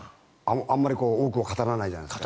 あまり多くを語らないじゃないですか。